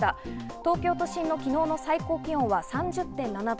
東京都心の昨日の最高気温は３０．７度。